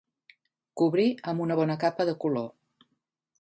Cobrir amb una bona capa de color.